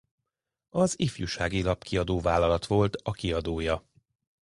Az Ifjúsági Lapkiadó Vállalat volt a kiadója.